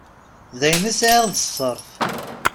D ayen i sεiɣ d ṣṣerf.